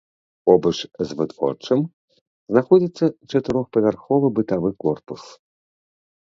Побач з вытворчым знаходзіцца чатырохпавярховы бытавы корпус.